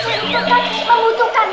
suka banget ya prinses